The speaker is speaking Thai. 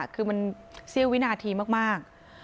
คือมันเสี้ยววินาทีมาก